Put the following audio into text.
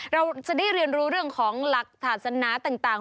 เราจะได้เรียนรู้เรื่องของหลักศาสนาต่าง